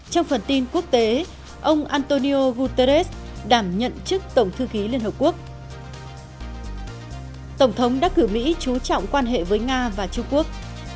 trong phần tin quốc tế ông antonio guterres đảm nhận chức tổng thư ký liên hợp quốc